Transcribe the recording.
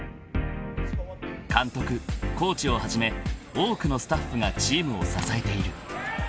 ［監督コーチをはじめ多くのスタッフがチームを支えている］